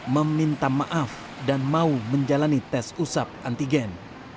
meminta maaf dan mau menjalani tes usap antigen